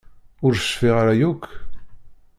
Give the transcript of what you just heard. Ur cfiɣ ara yakk.